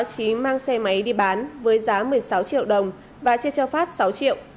hàng xe máy đi bán với giá một mươi sáu triệu đồng và chưa cho phát sáu triệu